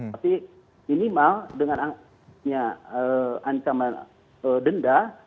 tapi minimal dengan ancaman denda